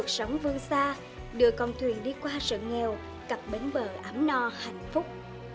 cuộc sống vương xa đưa con thuyền đi qua sợi nghèo cặp bến bờ ấm no hạnh phúc